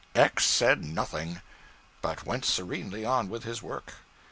X. said nothing, but went serenely on with his work.